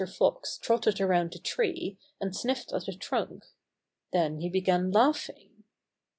Fox trotted around the tree, and sniffed at the trunk. Then he began laughing.